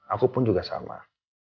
aku pun juga sama